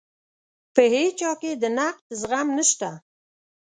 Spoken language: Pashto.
په هیچا کې د نقد زغم نشته.